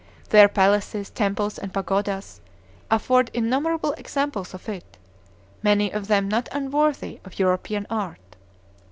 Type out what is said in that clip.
Their palaces, temples, and pagodas afford innumerable examples of it, many of them not unworthy of European art.